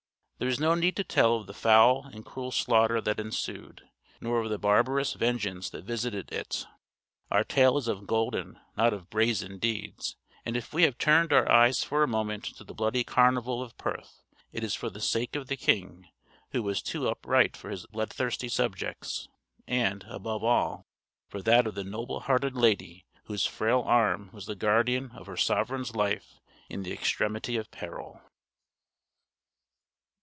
There is no need to tell of the foul and cruel slaughter that ensued, nor of the barbarous vengeance that visited it. Our tale is of golden, not of brazen deeds; and if we have turned our eyes for a moment to the Bloody Carnival of Perth, it is for the sake of the king, who was too upright for his bloodthirsty subjects, and, above all, for that of the noble hearted lady whose frail arm was the guardian of her sovereign's life in the extremity of peril.